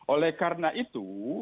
oleh karena itu